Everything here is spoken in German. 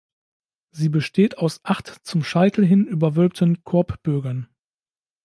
Sie besteht aus acht zum Scheitel hin überwölbten Korbbögen.